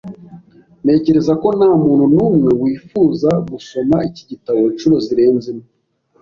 Ntekereza ko ntamuntu numwe wifuza gusoma iki gitabo inshuro zirenze imwe.